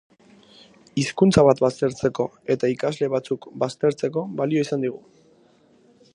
Hizkuntza bat baztertzeko eta ikasle batzuk baztertzeko balio izan digu.